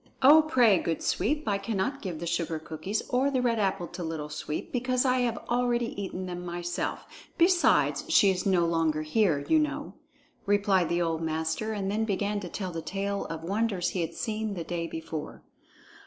"Oh, pray, good Sweep! I cannot give the sugar cookies or the red apple to Little Sweep, because I have already eaten them myself; besides, she is no longer here, you know," replied the old master, and then began to tell the tale of wonders he had seen the day before.